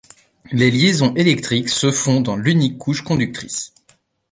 Les liaisons électriques se font dans l'unique couche conductrice.